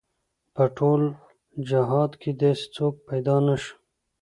په ټول جهاد کې داسې څوک پيدا نه شو.